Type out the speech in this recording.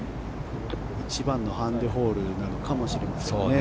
一番のハンディホールなのかもしれませんね。